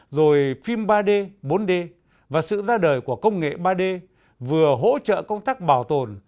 rồi phim ba d bốn d và sự ra đời của công nghệ ba d vừa hỗ trợ công tác bảo tồn